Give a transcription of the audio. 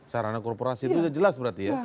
sarana korporasi itu sudah jelas berarti ya